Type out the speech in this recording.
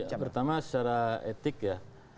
ya pertama secara etik ya